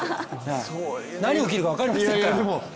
何起きるか分かりませんから。